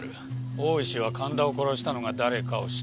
大石は神田を殺したのが誰かを知っていた。